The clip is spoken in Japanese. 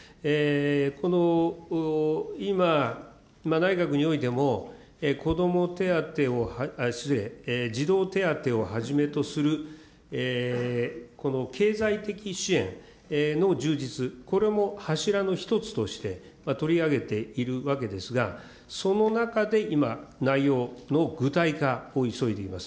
この今、内閣においても、子ども手当を、失礼、児童手当をはじめとするこの経済的支援の充実、これも柱の一つとして、取り上げているわけですが、その中で今、内容の具体化を急いでいます。